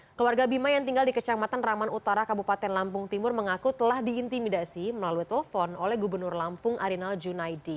keluarga bima yang tinggal di kecamatan raman utara kabupaten lampung timur mengaku telah diintimidasi melalui telepon oleh gubernur lampung arinal junaidi